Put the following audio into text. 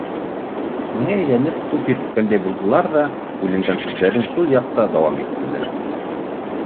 Миңә әйләнеп күҙ һирпкәндәй булдылар ҙа, бүленгән һүҙҙәрен шул яҡта дауам иттеләр: